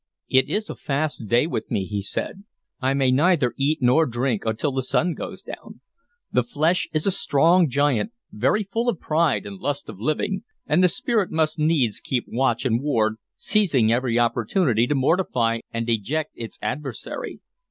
"It is a fast day with me," he said. "I may neither eat nor drink until the sun goes down. The flesh is a strong giant, very full of pride and lust of living, and the spirit must needs keep watch and ward, seizing every opportunity to mortify and deject its adversary.